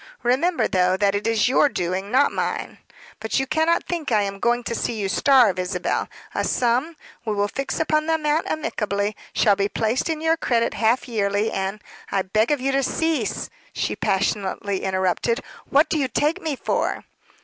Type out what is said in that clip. Remember, though, that it is your doing, not mine. But you cannot think I am going to see you starve, Isabel. A sum we will fix upon the amount amicably shall be placed to your credit half yearly, and " "I beg of you to cease," she passionately interrupted. "What do you take me for?"